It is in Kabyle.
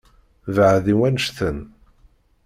Beεεed i wannect-en.